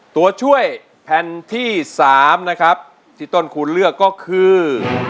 ตัวช่วยแผ่นที่๓นะครับที่ต้นคูณเลือกก็คือ